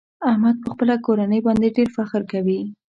احمد په خپله کورنۍ باندې ډېر فخر کوي.